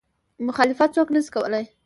مخالفت څوک نه شي کولی.